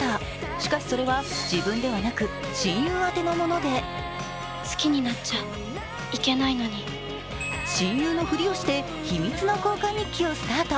しかしそれは自分ではなく親友宛てのもので親友のふりをして、秘密の交換日記をスタート。